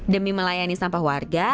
demi melayani sampah warga